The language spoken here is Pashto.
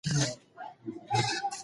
ایا ته کولای شې چې د ونې سر ته وخیژې؟